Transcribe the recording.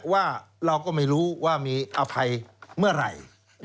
ว่าเราก็ไม่รู้ว่ามีอภัยเมื่อไหร่